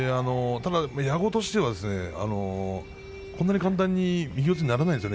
矢後としてはこんなに簡単に右四つにならないですよね